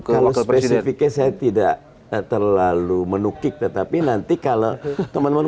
kalau spesifiknya saya tidak terlalu menukik tetapi nanti kalau teman teman